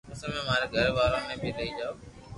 پسي اووي ماري گھر وارو ني بي لئي جاو